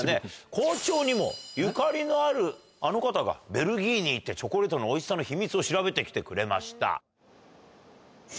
校長にもゆかりのあるあの方がベルギーに行ってチョコレートのおいしさの秘密を調べて来てくれました。